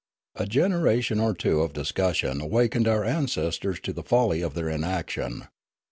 A genera tion or two of discussion awakened our ancestors to the folly of their inaction.